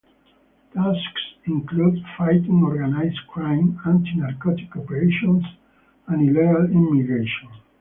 Tasks include fighting organised crime, anti-narcotic operations and illegal immigration.